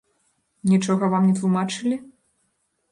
Нічога вам не тлумачылі?